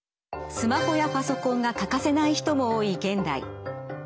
スマホやパソコンが欠かせない人も多い現代。